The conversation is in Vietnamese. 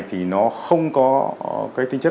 thì nó không có cái tính chất